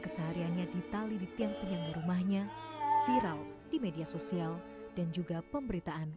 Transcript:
kesehariannya di tali di tiang penyangga rumahnya viral di media sosial dan juga pemberitaan